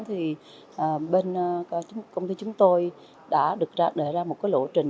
thì bên công ty chúng tôi đã đề ra một lộ trình